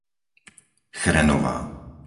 Chrenová